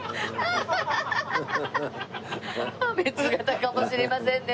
「破滅型かもしれませんね」